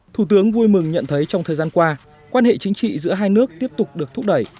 thủ tướng vui mừng nhận thấy trong thời gian qua quan hệ chính trị giữa hai nước tiếp tục được thúc đẩy